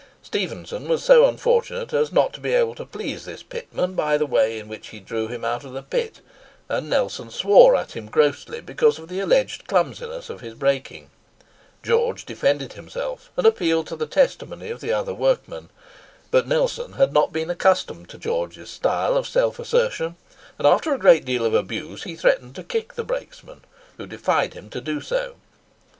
Stephenson was so unfortunate as not to be able to please this pitman by the way in which he drew him out of the pit; and Nelson swore at him grossly because of the alleged clumsiness of his brakeing. George defended himself, and appealed to the testimony of the other workmen. But Nelson had not been accustomed to George's style of self assertion; and, after a great deal of abuse, he threatened to kick the brakesman, who defied him to do so.